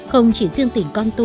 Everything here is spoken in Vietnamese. không chỉ riêng tỉnh con tum